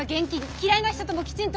嫌いな人ともきちんとつきあえ」！